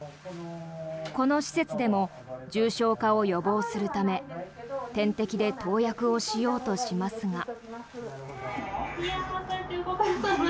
この施設でも重症化を予防するため点滴で投薬をしようとしますが。